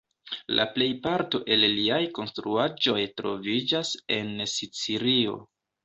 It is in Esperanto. La plejparto el liaj konstruaĵoj troviĝas en Sicilio.